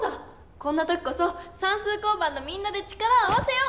こんな時こそさんすう交番のみんなで力を合わせよう！